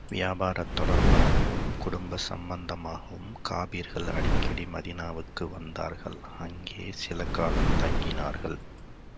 வியாபாரத் தொடர்புக்காகவும், குடும்ப சம்பந்தமாகவும் காபிர்கள் அடிக்கடி மதீனாவுக்கு வந்தார்கள் அங்கே சில காலம் தங்கினார்கள்.